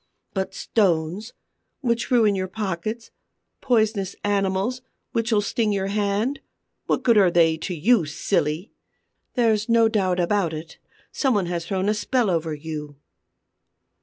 But stones, which ruin your pockets; poisonous animals, which'll sting your hand: what good are they to you, silly? There's no doubt about it; some one has thrown a spell over you!"